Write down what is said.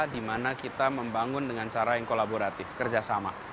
di mana kita membangun dengan cara yang kolaboratif kerjasama